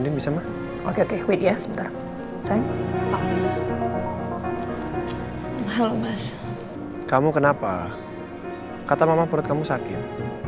dini bisa mah oke oke widya sebentar sayang halo mas kamu kenapa kata mama perut kamu sakit